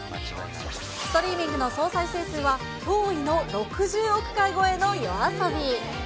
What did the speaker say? ストリーミングの総再生数は驚異の６０億回超えのＹＯＡＳＯＢＩ。